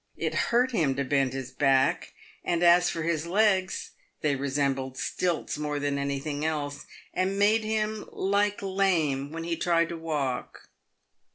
It hurt him to bend his back,, and as for his legs, they resembled stilts more than anything else, and made him " like lame" when he tried to walk.